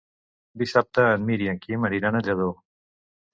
Dissabte en Mirt i en Quim aniran a Lladó.